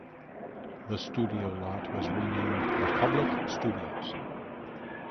The studio lot was renamed Republic Studios.